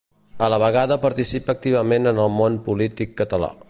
A la vegada participa activament en el món polític català.